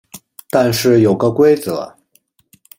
但是有个规则